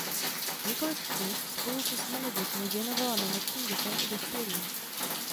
Několik knih spolu se svými dětmi věnovala nemocným dětem i dospělým.